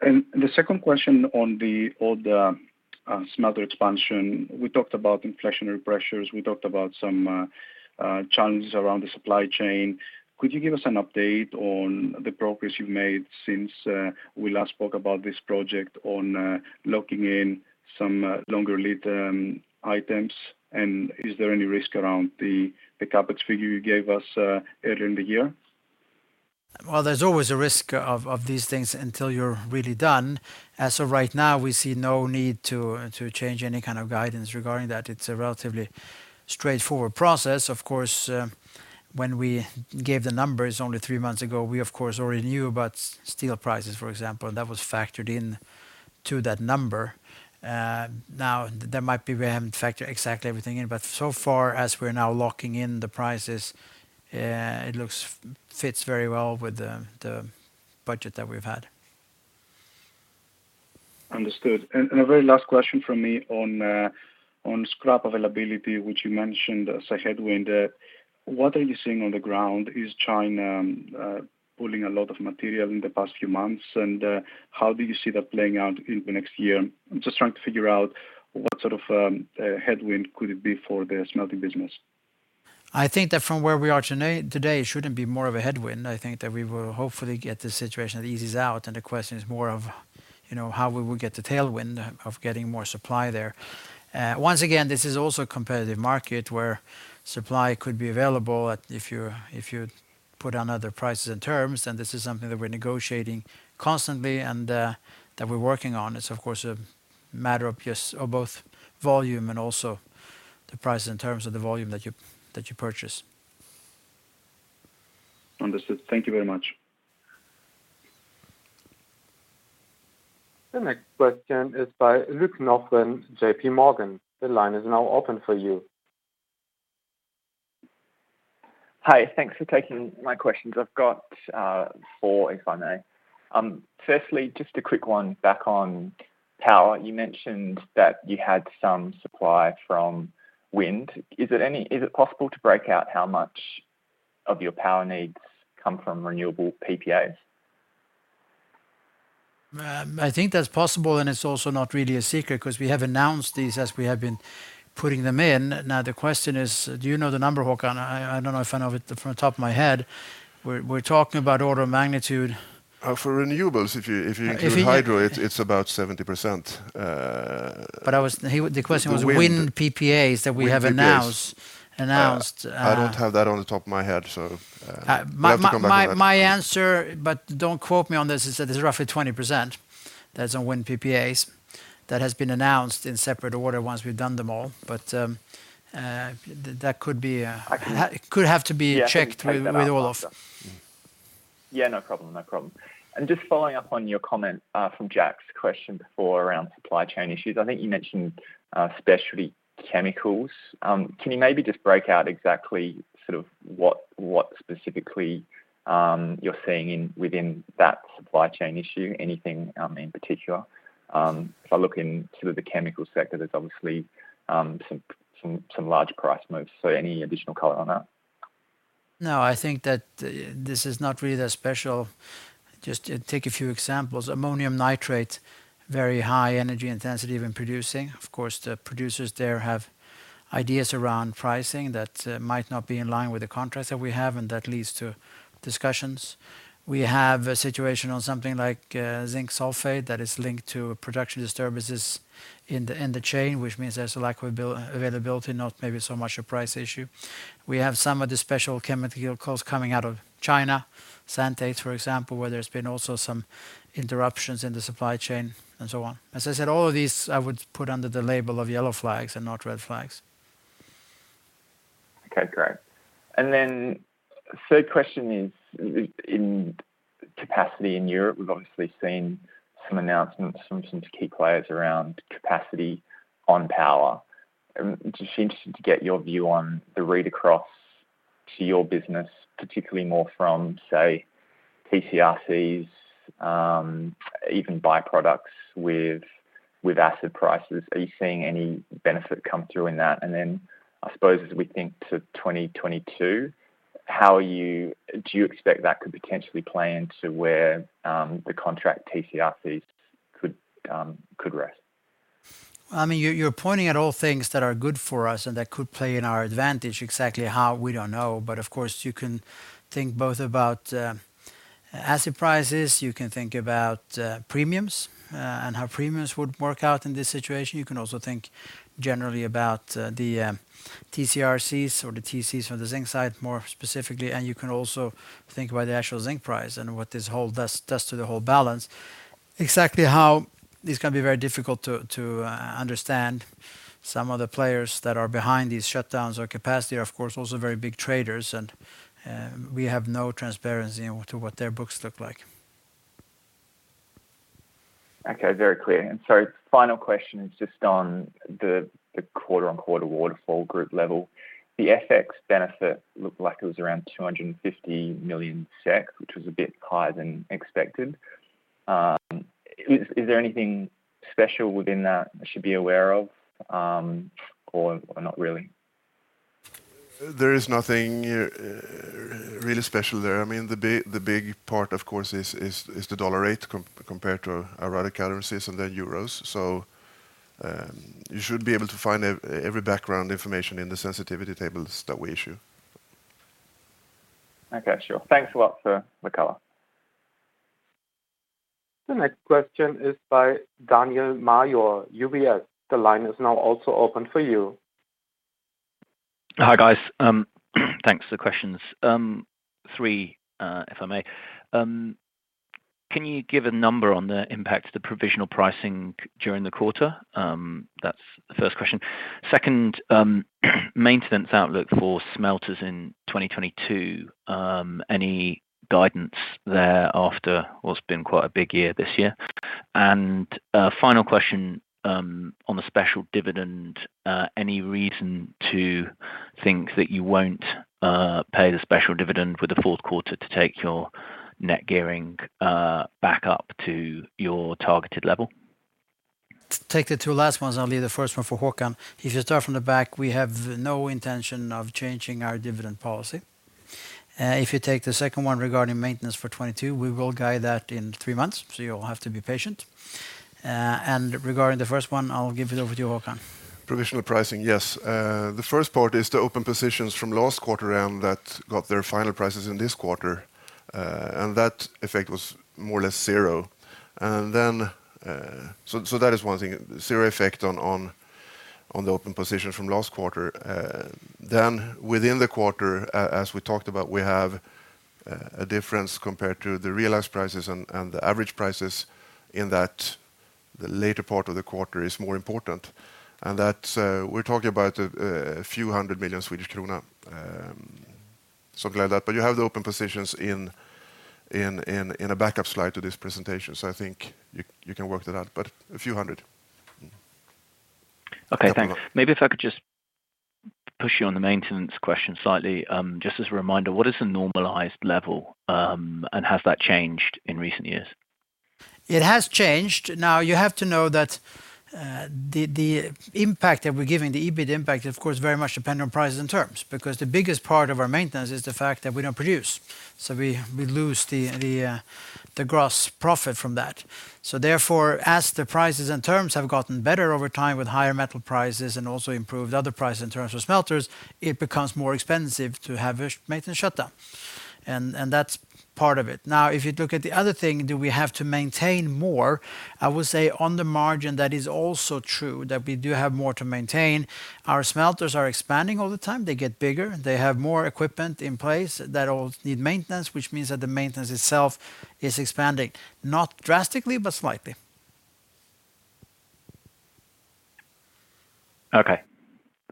The second question on the Odda Smelter expansion. We talked about inflationary pressures, we talked about some challenges around the supply chain. Could you give us an update on the progress you've made since we last spoke about this project on locking in some longer lead items? Is there any risk around the CapEx figure you gave us earlier in the year? Well, there's always a risk of these things until you're really done. As of right now, we see no need to change any kind of guidance regarding that. It's a relatively straightforward process. Of course, when we gave the numbers only three months ago, we, of course, already knew about steel prices, for example. That was factored in to that number. Now, there might be we haven't factored exactly everything in, but so far as we're now locking in the prices, it fits very well with the budget that we've had. Understood. A very last question from me on scrap availability, which you mentioned as a headwind. What are you seeing on the ground? Is China pulling a lot of material in the past few months? How do you see that playing out in the next year? I'm just trying to figure out what sort of a headwind could it be for the smelting business. I think that from where we are today, it shouldn't be more of a headwind. I think that we will hopefully get the situation that eases out, and the question is more of how we will get the tailwind of getting more supply there. Once again, this is also a competitive market where supply could be available if you put on other prices and terms, and this is something that we're negotiating constantly and that we're working on. It's, of course, a matter of both volume and also the price and terms of the volume that you purchase. Understood. Thank you very much. The next question is by Luke Nelson from JP Morgan. The line is now open for you. Hi. Thanks for taking my questions. I've got four, if I may. Firstly, just a quick one back on power. You mentioned that you had some supply from wind. Is it possible to break out how much of your power needs come from renewable PPAs? I think that's possible, and it's also not really a secret because we have announced these as we have been putting them in. Now, the question is, do you know the number, Håkan? I don't know if I know it off the top of my head. We're talking about order of magnitude. For renewables, if you include hydro- If you- it's about 70%. The question was. The wind. wind PPAs that we have announced. Wind PPAs. I don't have that on the top of my head, so we'll have to come back on that. My answer, but don't quote me on this, is that it's roughly 20% that's on wind PPAs. That has been announced in separate order once we've done them all. Yeah, I can take that up after. Yeah, no problem. Just following up on your comment from Jack's question before around supply chain issues. I think you mentioned specialty chemicals. Can you maybe just break out exactly what specifically you're seeing within that supply chain issue? Anything in particular? If I look in the chemical sector, there's obviously some large price moves. Any additional color on that? No, I think that this is not really that special. Ammonium nitrate, very high energy intensity when producing. Of course, the producers there have ideas around pricing that might not be in line with the contracts that we have, and that leads to discussions. We have a situation on something like zinc sulfate that is linked to production disturbances in the chain, which means there's a lack of availability, not maybe so much a price issue. We have some of the special chemicals coming out of China, xanthates, for example, where there's been also some interruptions in the supply chain and so on. As I said, all of these I would put under the label of yellow flags and not red flags. Okay, great. Third question is in capacity in Europe, we've obviously seen some announcements from some key players around capacity on power. Just interested to get your view on the read across to your business, particularly more from, say, TC/RCs, even byproducts with acid prices. Are you seeing any benefit come through in that? I suppose as we think to 2022, do you expect that could potentially play into where the contract TC/RCs could rest? You're pointing at all things that are good for us and that could play in our advantage. Exactly how, we don't know. Of course, you can think both about acid prices, you can think about premiums, and how premiums would work out in this situation. You can also think generally about the TC/RCs or the TCs from the zinc side more specifically, and you can also think about the actual zinc price and what this does to the whole balance. Exactly how, this can be very difficult to understand. Some of the players that are behind these shutdowns or capacity are, of course, also very big traders, and we have no transparency into what their books look like. Okay. Very clear. Sorry, final question is just on the quarter-on-quarter waterfall group level. The FX benefit looked like it was around 250 million SEK, which was a bit higher than expected. Is there anything special within that I should be aware of or not really? There is nothing really special there. The big part, of course, is the dollar rate compared to our other currencies and then euros. You should be able to find every background information in the sensitivity tables that we issue. Okay, sure. Thanks a lot for the color. The next question is by Daniel Major, UBS. The line is now also open for you. Hi, guys. Thanks for the questions. Three, if I may. Can you give a number on the impact of the provisional pricing during the quarter? That's the first question. Second, maintenance outlook for smelters in 2022. Any guidance there after what's been quite a big year this year? Final question on the special dividend. Any reason to think that you won't pay the special dividend for the fourth quarter to take your net gearing back up to your targeted level? Take the two last ones, I'll leave the first one for Håkan. If you start from the back, we have no intention of changing our dividend policy. If you take the second one regarding maintenance for 2022, we will guide that in three months, so you'll have to be patient. Regarding the first one, I'll give it over to you, Håkan. Provisional pricing. Yes. The first part is the open positions from last quarter and that got their final prices in this quarter, and that effect was more or less zero. That is one thing, zero effect on the open position from last quarter. Within the quarter, as we talked about, we have a difference compared to the realized prices and the average prices in that the later part of the quarter is more important, and that we're talking about a few hundred million SEK. You have the open positions in a backup slide to this presentation. I think you can work that out, but a few hundred. Okay, thanks. Maybe if I could just push you on the maintenance question slightly. Just as a reminder, what is the normalized level, and has that changed in recent years? It has changed. You have to know that the impact that we're giving, the EBIT impact, is of course very much dependent on prices and terms, because the biggest part of our maintenance is the fact that we don't produce. We lose the gross profit from that. Therefore, as the prices and terms have gotten better over time with higher metal prices and also improved other prices in terms of smelters, it becomes more expensive to have a maintenance shutdown. That's part of it. If you look at the other thing, do we have to maintain more? I would say on the margin that is also true that we do have more to maintain. Our smelters are expanding all the time. They get bigger. They have more equipment in place that will need maintenance, which means that the maintenance itself is expanding. Not drastically, but slightly. Okay,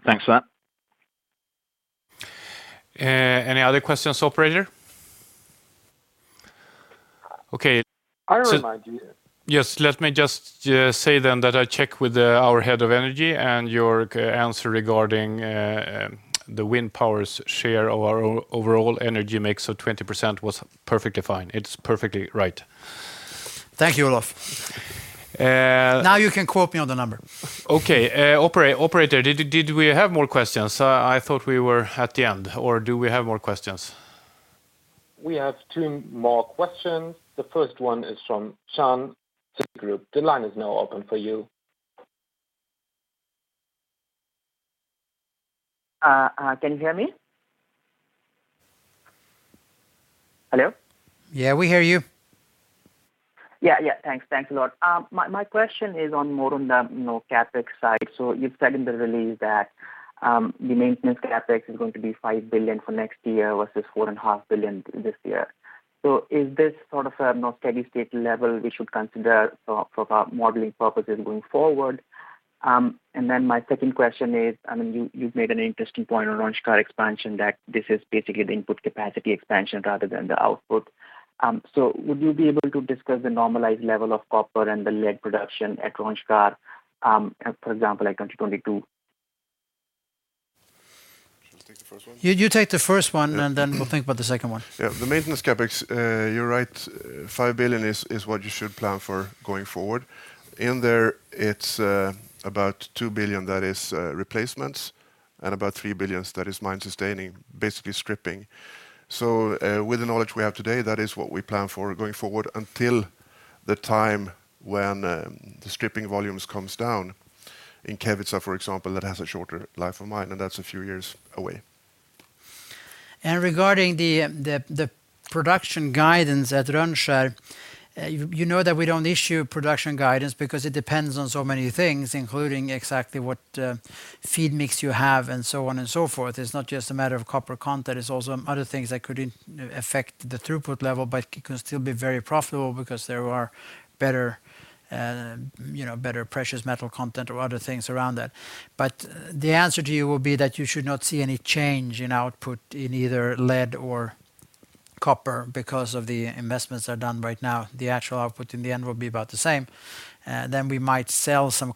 thanks for that. Any other questions, operator? Okay. I remind you. Yes, let me just say then that I checked with our head of energy and your answer regarding the wind power's share of our overall energy mix of 20% was perfectly fine. It's perfectly right. Thank you, Olof. Now you can quote me on the number. Okay. Operator, did we have more questions? I thought we were at the end, or do we have more questions? We have two more questions. The first one is from Shan, Citigroup. The line is now open for you. Can you hear me? Hello? Yeah, we hear you. Yeah. Thanks a lot. My question is on more on the CapEx side. You've said in the release that the maintenance CapEx is going to be 5 billion for next year versus 4.5 billion this year. Is this sort of a steady state level we should consider for modeling purposes going forward? My second question is, you've made an interesting point on Rönnskär expansion that this is basically the input capacity expansion rather than the output. Would you be able to discuss the normalized level of copper and the lead production at Rönnskär, for example, like 2022? Should I take the first one? You take the first one, and then we'll think about the second one. The maintenance CapEx, you're right, 5 billion is what you should plan for going forward. In there, it's about 2 billion that is replacements and about 3 billion that is mine sustaining, basically stripping. With the knowledge we have today, that is what we plan for going forward until the time when the stripping volumes comes down in Kevitsa, for example, that has a shorter life of mine, and that's a few years away. Regarding the production guidance at Rönnskär, you know that we don't issue production guidance because it depends on so many things, including exactly what feed mix you have and so on and so forth. It's not just a matter of copper content, it's also other things that could affect the throughput level, it can still be very profitable because there are better precious metal content or other things around that. The answer to you will be that you should not see any change in output in either lead or copper because of the investments that are done right now. The actual output in the end will be about the same. We might sell some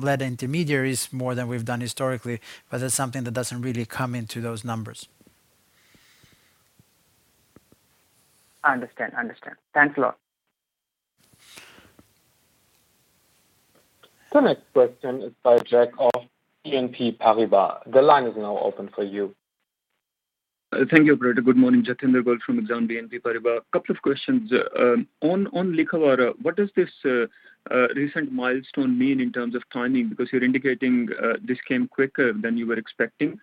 lead intermediaries more than we've done historically, that's something that doesn't really come into those numbers. I understand. Thanks a lot. The next question is by Jack of BNP Paribas. The line is now open for you. Thank you, operator. Good morning. Jatinder Goel from Exane BNP Paribas. Couple of questions. On Liikavaara, what does this recent milestone mean in terms of timing? You're indicating this came quicker than you were expecting.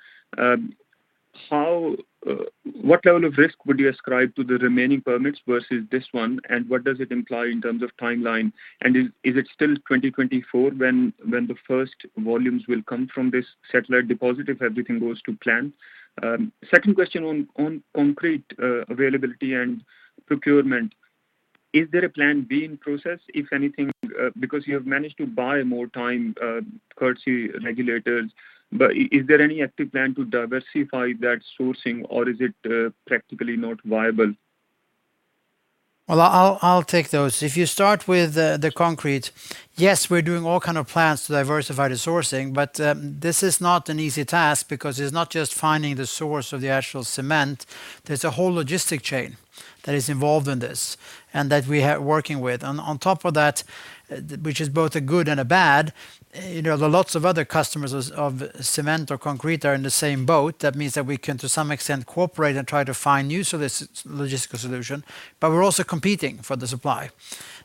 What level of risk would you ascribe to the remaining permits versus this one, and what does it imply in terms of timeline? Is it still 2024 when the first volumes will come from this satellite deposit if everything goes to plan? Second question on concrete availability and procurement? Is there a plan B in process, if anything? You have managed to buy more time courtesy regulators, is there any active plan to diversify that sourcing, or is it practically not viable? I'll take those. If you start with the concrete, yes, we're doing all kind of plans to diversify the sourcing. This is not an easy task because it's not just finding the source of the actual cement. There's a whole logistic chain that is involved in this and that we are working with. On top of that, which is both a good and a bad, lots of other customers of cement or concrete are in the same boat. We can, to some extent, cooperate and try to find new logistical solution. We're also competing for the supply.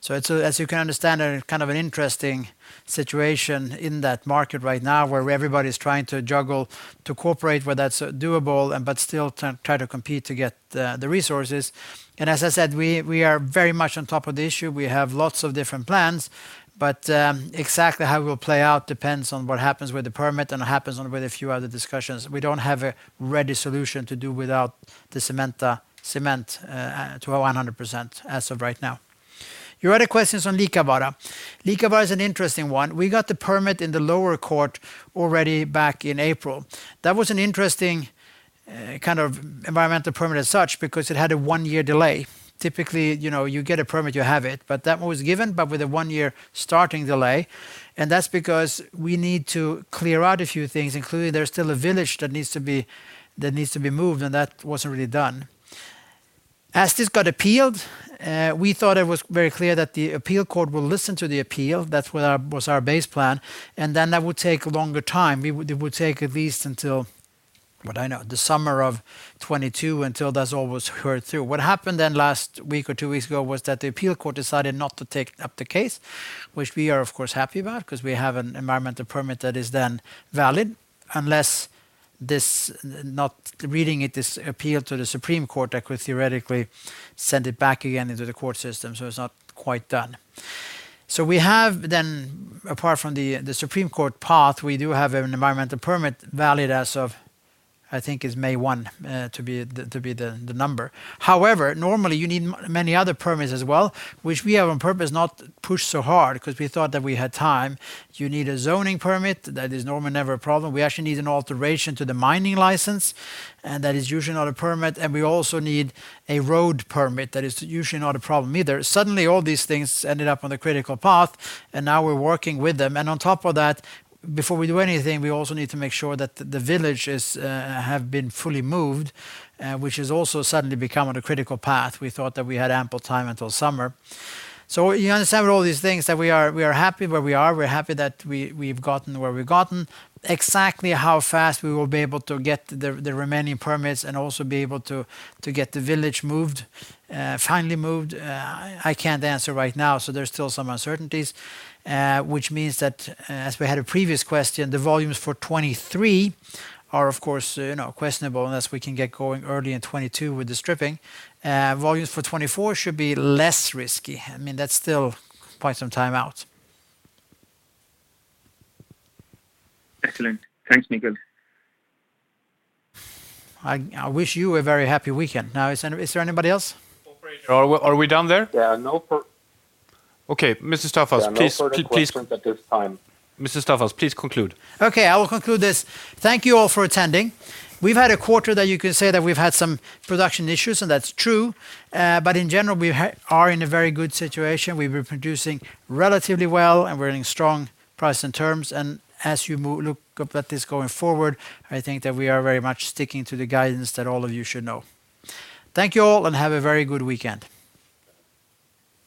As you can understand, kind of an interesting situation in that market right now where everybody's trying to juggle to cooperate where that's doable, still try to compete to get the resources. As I said, we are very much on top of the issue. We have lots of different plans, but exactly how it will play out depends on what happens with the permit and what happens with a few other discussions. We don't have a ready solution to do without the cement to 100% as of right now. Your other question's on Liikavaara. Liikavaara is an interesting one. We got the permit in the lower court already back in April. That was an interesting kind of environmental permit as such because it had a one-year delay. Typically, you get a permit, you have it, but that one was given, but with a one-year starting delay. That's because we need to clear out a few things, including there's still a village that needs to be moved, and that wasn't really done. As this got appealed, we thought it was very clear that the appeal court will listen to the appeal. That was our base plan, and then that would take a longer time. It would take at least until, what I know, the summer of 2022, until that's all heard through. What happened then last week or two weeks ago was that the appeal court decided not to take up the case, which we are, of course, happy about because we have an environmental permit that is then valid, unless this, not reading it, is appealed to the Supreme Court, that could theoretically send it back again into the court system. It's not quite done. We have then, apart from the Supreme Court path, we do have an environmental permit valid as of, I think it's May 1 to be the number. However, normally you need many other permits as well, which we have on purpose not pushed so hard because we thought that we had time. You need a zoning permit. That is normally never a problem. We actually need an alteration to the mining license, and that is usually not a permit. We also need a road permit. That is usually not a problem either. Suddenly, all these things ended up on the critical path, and now we're working with them. On top of that, before we do anything, we also need to make sure that the villages have been fully moved, which has also suddenly become on a critical path. We thought that we had ample time until summer. You understand with all these things that we are happy where we are. We're happy that we've gotten where we've gotten. Exactly how fast we will be able to get the remaining permits and also be able to get the village finally moved, I can't answer right now. There's still some uncertainties, which means that, as we had a previous question, the volumes for 2023 are, of course, questionable unless we can get going early in 2022 with the stripping. Volumes for 2024 should be less risky. I mean, that's still quite some time out. Excellent. Thanks, Mikael. I wish you a very happy weekend. Is there anybody else? Operator, are we done there? Okay. Yeah, No further questions at this time. Mr. Staffas, please conclude. Okay, I will conclude this. Thank you all for attending. We've had a quarter that you can say that we've had some production issues, and that's true. In general, we are in a very good situation. We've been producing relatively well, and we're in strong price and terms. As you look up at this going forward, I think that we are very much sticking to the guidance that all of you should know. Thank you all, and have a very good weekend.